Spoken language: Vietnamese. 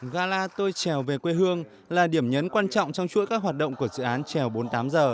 gala tôi trèo về quê hương là điểm nhấn quan trọng trong chuỗi các hoạt động của dự án treo bốn mươi tám h